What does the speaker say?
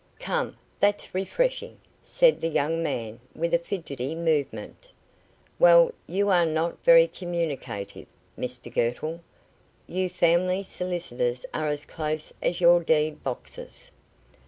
"Come, that's refreshing," said the young man with a fidgetty movement. "Well, you are not very communicative, Mr Girtle. You family solicitors are as close as your deed boxes."